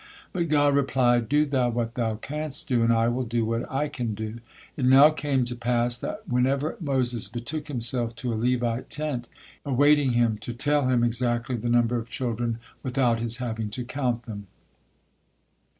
But God replied: "Do thou what thou canst do, and I will do what I can do." It now came to pass that whenever Moses betook himself to a Levite tent he found the Shekinah awaiting him, tell him exactly the number of children without his having to count them.